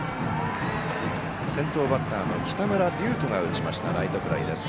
先頭バッターの北村琉翔が打ちましたがライトフライです。